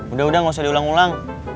udah udah gak usah diulang ulang